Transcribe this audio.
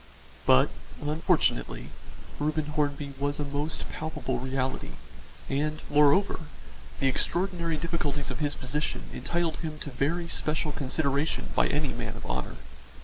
But, unfortunately, Reuben Hornby was a most palpable reality, and, moreover, the extraordinary difficulties of his position entitled him to very special consideration by any man of honour.